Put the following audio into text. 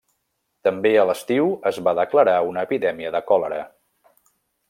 També a l'estiu es va declarar una epidèmia de còlera.